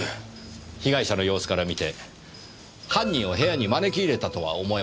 被害者の様子から見て犯人を部屋に招き入れたとは思えません。